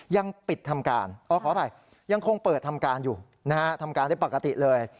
ยังปิดทำการขออภัยยังคงเปิดทำการอยู่นะฮะทำการได้ปกติเลย